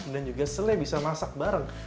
dan juga selai bisa masak bareng